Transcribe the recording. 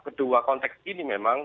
kedua konteks ini memang